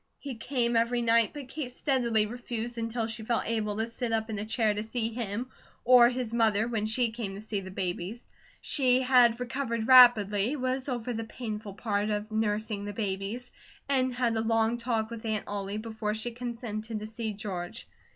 He came every night, but Kate steadily refused, until she felt able to sit up in a chair, to see him, or his mother when she came to see the babies. She had recovered rapidly, was over the painful part of nursing the babies, and had a long talk with Aunt Ollie, before she consented to see George.